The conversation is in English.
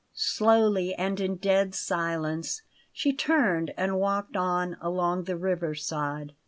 Slowly and in dead silence she turned and walked on along the river side.